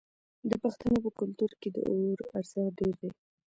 د پښتنو په کلتور کې د اور ارزښت ډیر دی.